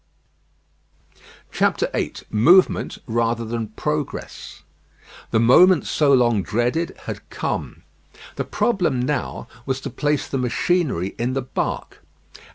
VIII MOVEMENT RATHER THAN PROGRESS The moment so long dreaded had come. The problem now was to place the machinery in the bark.